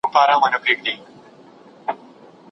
د الله حقونه مه هېروئ.